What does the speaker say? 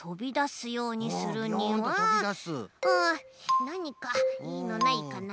うんなにかいいのないかな。